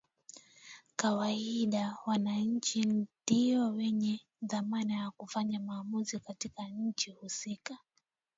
kawaida wananchi ndio wenye dhamana ya kufanya maamuzi katika nchi husika